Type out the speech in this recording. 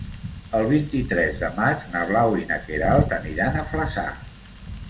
El vint-i-tres de maig na Blau i na Queralt aniran a Flaçà.